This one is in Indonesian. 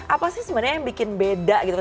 apa sih sebenarnya yang bikin beda gitu